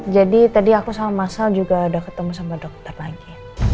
jadi tadi aku sama masal juga udah ketemu sama dokter lagi